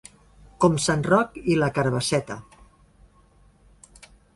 Com sant Roc i la carabasseta.